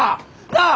なあ！